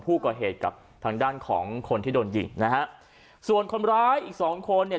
กับทางด้านของคนที่โดนยิงนะฮะส่วนคนร้ายอีกสองคนเนี่ย